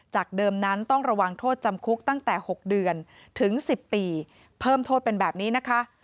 เดิมนั้นต้องระวังโทษจำคุกตั้งแต่๖เดือนถึง๑๐ปีเพิ่มโทษเป็นแบบนี้นะคะ